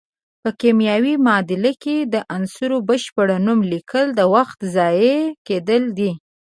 په کیمیاوي معادله کې د عنصر بشپړ نوم لیکل د وخت ضایع کیدل دي.